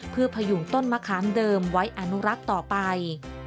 เพื่อพยุงต้นมะขามเดิมไว้อนุรักษ์ต่อไป